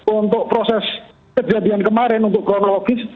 untuk proses kejadian kemarin untuk kronologis